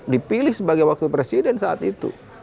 dipilih sebagai wakil presiden saat itu